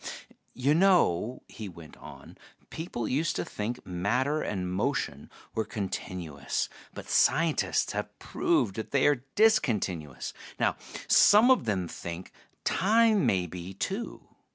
"You know," he went on, "people used to think matter and motion were continuous, but scientists have proved that they are discontinuous. Now some of them think time may be, too.